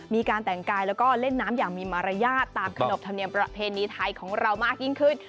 มีการแต่งกายแล้วก็เล่นน้ำอย่างมีมารยาทตามขนบธรรมเนียมประเพณีไทยของเรามากยิ่งขึ้น